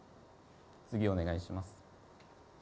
次お願いします。